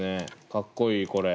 かっこいいこれ。